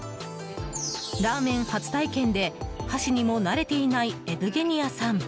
ラーメン初体験で箸にも慣れていないエブゲニアさん。